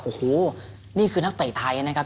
โอ้โหนี่คือนักเตะไทยนะครับ